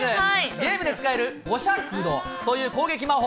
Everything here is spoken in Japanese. ゲームで使えるゴシャグドという攻撃魔法。